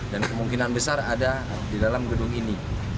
dan kemungkinan besar ada di dalam gedung ini